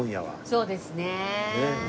そうですね。